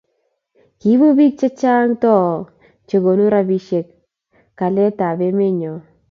kiibu biik che chang' too che konu robisiek kalyetab eme nyo